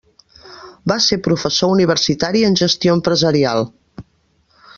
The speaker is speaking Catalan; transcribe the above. Va ser professor universitari en gestió empresarial.